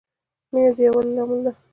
مینه د یووالي لامل ده.